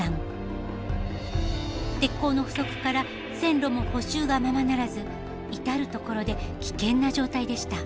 鉄鋼の不足から線路も補修がままならず至る所で危険な状態でした。